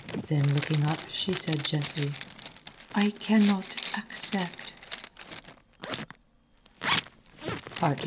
Then looking up she said gently, "I cannot accept."